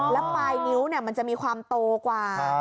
แล้วปลายนิ้วมันจะมีความโตกว่า